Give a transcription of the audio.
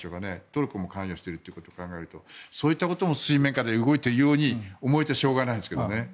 トルコも関与してるってことも考えるとそういったことも水面下で動いているように思えてしょうがないですけどね。